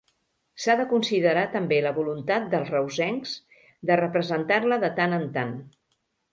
S'ha de considerar també la voluntat dels reusencs de representar-la de tant en tant.